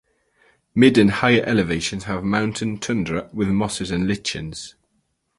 Mid and higher elevations have mountain tundra with mosses and lichens.